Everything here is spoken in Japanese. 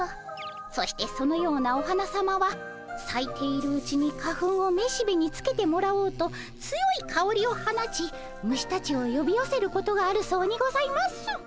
そしてそのようなお花さまはさいているうちに花粉をめしべにつけてもらおうと強いかおりを放ち虫たちをよびよせることがあるそうにございます。